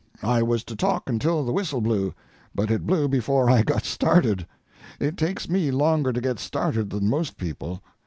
I was to talk until the whistle blew, but it blew before I got started. It takes me longer to get started than most people.